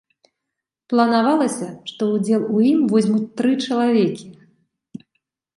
Планавалася, што ўдзел у ім возьмуць тры чалавекі.